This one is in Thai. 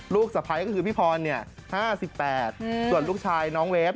สะพ้ายก็คือพี่พร๕๘ส่วนลูกชายน้องเวฟ